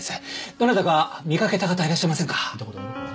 どなたか見かけた方いらっしゃいませんか？